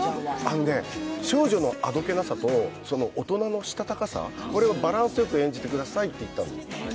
少女のあどけなさと、大人のしたたかさ、これをバランスよく演じてくださいって言ったの。